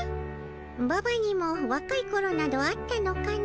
ババにもわかいころなどあったのかの。